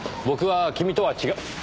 僕は君とは違う。